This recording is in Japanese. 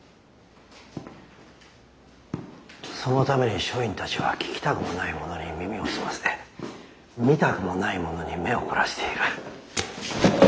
そのために署員たちは聞きたくもないものに耳を澄ませて見たくもないものに目を凝らしている。